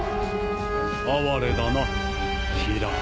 哀れだなキラー。